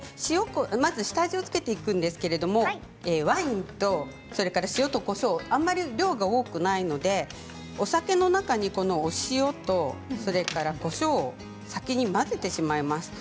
まず下味を付けていくんですがワインと塩こしょうをあまり量が多くないのでお酒の中に、塩とこしょうを先に混ぜてしまいます。